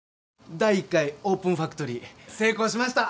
第１回オープンファクトリー成功しました！